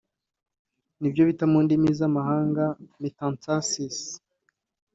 nibyo bita mu ndimi z’amahanga metastases